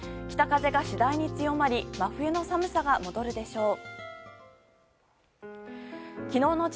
北風が次第に強まり真冬の寒さが戻るでしょう。